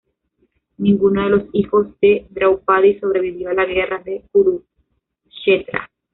Ninguno de los hijos de Draupadi sobrevivió a la guerra de Kurukshetra.